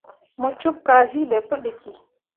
Mo cup kazi be pu ɗiki.